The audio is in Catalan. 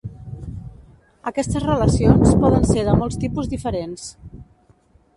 Aquestes relacions poden ser de molts tipus diferents.